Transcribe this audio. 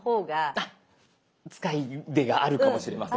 あっ使いでがあるかもしれません。